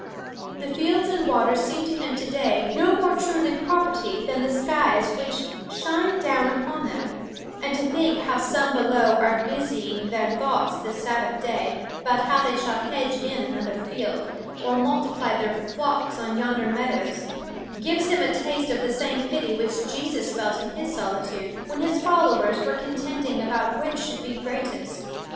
The fields and waters seem to him to day no more truly property than the skies which shine down upon them; and to think how some below are busying their thoughts this Sabbath day about how they shall hedge in another field, or multiply their flocks on yonder meadows, gives him a taste of the same pity which Jesus felt in his solitude, when his followers were contending about which should be greatest.